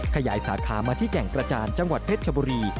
ขยายสาขามาที่แก่งกระจานจังหวัดเพชรชบุรี